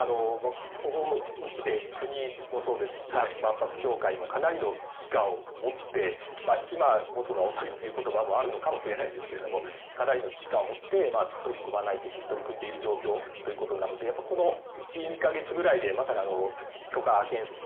ここに来て国もそうですし万博協会もかなりの危機感を持って今、持つのは遅いということもあるのかもしれませんがかなりの危機感を持って取り組んでいる状況ということなのでこの１２か月ぐらいで許可建設